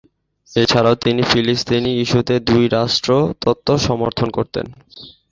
এছাড়াও তিনি ফিলিস্তিনি ইস্যুতে দুই রাষ্ট্র তত্ব সমর্থন করতেন।